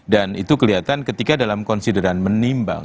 dan itu kelihatan ketika dalam konsideran menimbang